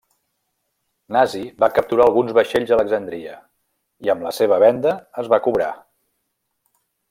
Nasi va capturar alguns vaixells a Alexandria i amb la seva venda es va cobrar.